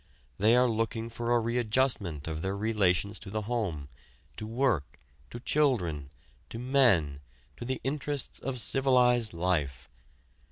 They are looking for a readjustment of their relations to the home, to work, to children, to men, to the interests of civilized life.